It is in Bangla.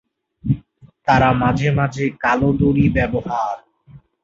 তারা মাঝে মাঝে কালো দড়ি ব্যবহার।